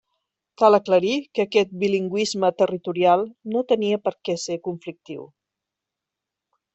Cal aclarir que aquest bilingüisme territorial no tenia per què ser conflictiu.